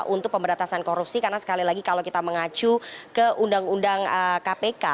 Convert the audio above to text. untuk pemberantasan korupsi karena sekali lagi kalau kita mengacu ke undang undang kpk